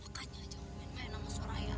makanya jangan main main sama soraya